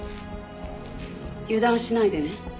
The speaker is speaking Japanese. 油断しないでね。